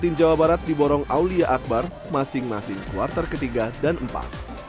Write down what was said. tim jawa barat diborong aulia akbar masing masing kuartal ketiga dan empat